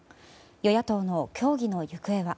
与野党の協議の行方は。